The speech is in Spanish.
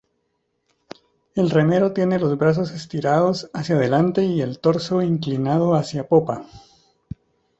El remero tiene los brazos estirados hacia delante y el torso inclinado hacia popa.